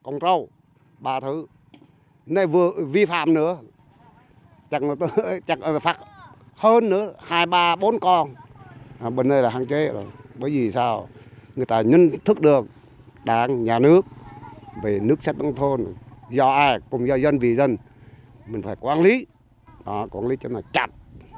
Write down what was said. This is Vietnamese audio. người ta nhận thức được đảng nhà nước về nước xét ngân thôn do ai cùng do dân vì dân mình phải quản lý quản lý cho nó chặt